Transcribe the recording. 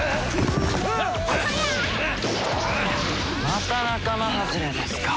また仲間外れですか。